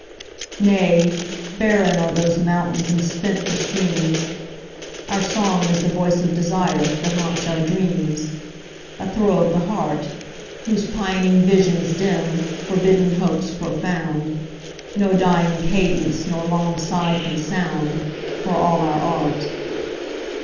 Nay, barren are those mountains and spent the streams: Our song is the voice of desire, that haunts our dreams, A throe of the heart, Whose pining visions dim, forbidden hopes profound, 10 No dying cadence nor long sigh can sound, For all our art.